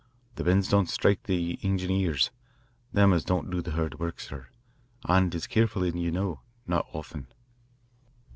The bends don't sthrike the ingineers, them as don't do the hard work, sir, and is careful, as ye know not often."